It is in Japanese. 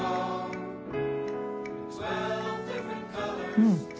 うん。